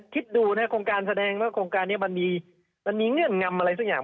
คิดดูนะโครงการแสดงว่าโครงการนี้มันมีเงื่อนงำอะไรสักอย่าง